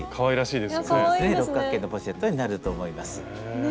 そうですね六角形のポシェットになると思います。